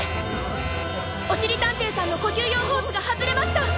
おしりたんていさんのこきゅうようホースがはずれました。